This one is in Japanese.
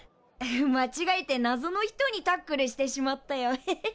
まちがえてなぞの人にタックルしてしまったよヘヘヘヘ。